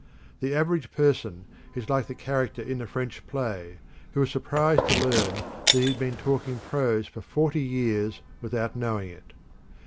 The average person is like the character in the French play who was surprised to learn that he had "been talking prose for forty years without knowing it."